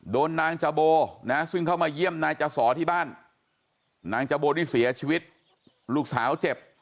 นางจโบนะซึ่งเข้ามาเยี่ยมนายจสอที่บ้านนางจโบที่เสียชีวิตลูกสาวเจ็บ